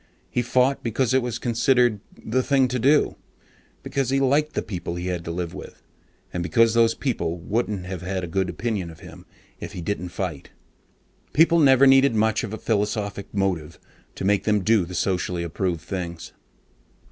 He fought because it was considered the "thing to do," because he liked the people he had to live with, and because those people wouldn't have a good opinion of him if he didn't fight. People never needed much of a philosophic motive to make them do the socially approved things.